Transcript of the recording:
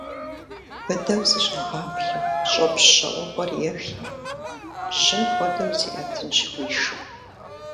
Быдэу зэщӏэгъаплъэ, щӏопщ щэ уэгъуэр ехи, жьым хуэдэу зиӏэтынщ уи шым.